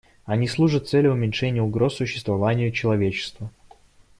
Они служат цели уменьшения угроз существованию человечества.